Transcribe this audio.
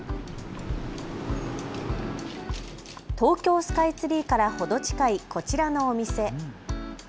東京スカイツリーから程近いこちらのお店。